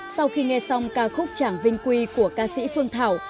sau khi nghe xong ca khúc trảng vinh quy của ca sĩ phương thảo